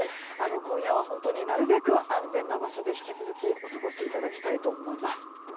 今夜はなるべく安全な場所で引き続きお過ごしいただきたいと思います。